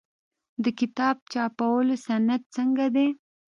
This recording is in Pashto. د کتاب چاپولو صنعت څنګه دی؟